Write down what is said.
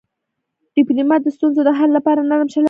ډيپلومات د ستونزو د حل لپاره نرم چلند کوي.